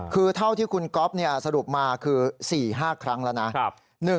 คือเท่าที่คุณก๊อฟสรุปมาคือ๔๕ครั้งแล้วนะ